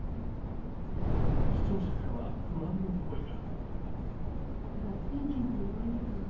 視聴者からは不安の声が。